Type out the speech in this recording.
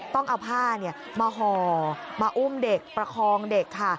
ต้องเอาผ้ามาห่อมาอุ้มเด็กประคองเด็กค่ะ